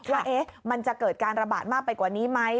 ว่ามันจะเกิดการระบาดมากไปกว่านี้ไหม